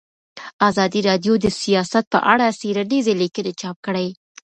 ازادي راډیو د سیاست په اړه څېړنیزې لیکنې چاپ کړي.